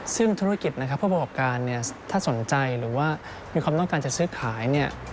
ซึ่งธุรกิจเพื่อประกอบการถ้าสนใจหรือว่ามีความต้องการจะซื้อขาย